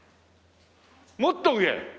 もっと上！？